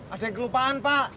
ada yang kelupaan pak